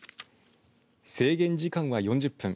制限時間は４０分。